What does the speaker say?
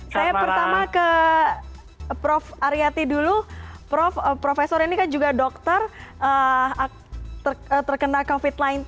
saya pertama ke prof aryati dulu prof profesor ini kan juga dokter terkena covid sembilan belas